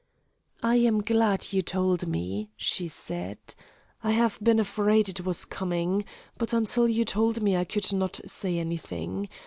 "I am glad you told me," she said. "I have been afraid it was coming. But until you told me I could not say anything.